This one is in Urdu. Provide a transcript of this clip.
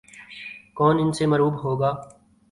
کون ان سے مرعوب ہوگا۔